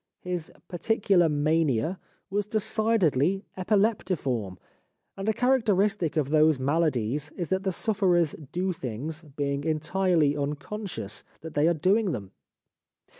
His particular mania was decidedly epileptiform ; and a characteristic of those maladies is that the sufferers do things, being entirely unconscious that they are doing them.